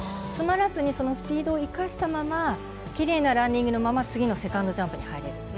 詰まらずにそのスピードを生かしたままきれいなランディングのまま次のセカンドジャンプに入れる。